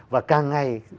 và càng ngày